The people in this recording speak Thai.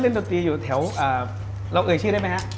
ก็เล่นดอกตีอยู่แถวเราเอ่ยชื่อได้ไหมฮะ